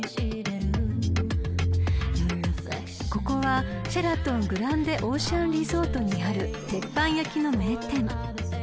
［ここはシェラトン・グランデ・オーシャンリゾートにある鉄板焼きの名店］